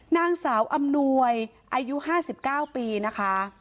นางสาวอำนวยอายุ๕๙ปีนะคะ